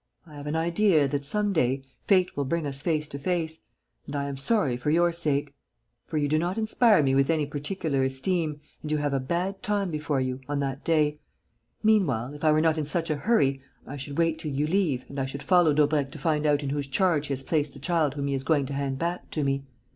I have an idea that, some day, fate will bring us face to face: and I am sorry, for your sake; for you do not inspire me with any particular esteem and you have a bad time before you, on that day. Meanwhile, if I were not in such a hurry, I should wait till you leave and I should follow Daubrecq to find out in whose charge he has placed the child whom he is going to hand back to me.